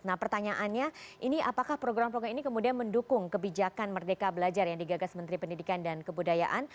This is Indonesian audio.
nah pertanyaannya ini apakah program program ini kemudian mendukung kebijakan merdeka belajar yang digagas menteri pendidikan dan kebudayaan